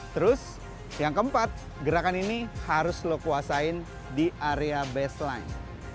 terus yang keempat gerakan ini harus lo kuasain di area baseline